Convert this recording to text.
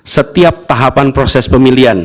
setiap tahapan proses pemilihan